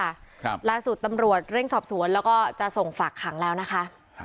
ครับล่าสุดตำรวจเร่งสอบสวนแล้วก็จะส่งฝากขังแล้วนะคะครับ